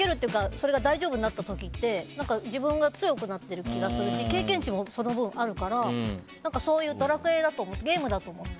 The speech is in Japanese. それが大丈夫になった時って自分が強くなってる気がするし経験値も、その分あるから「ドラクエ」、ゲームだと思って。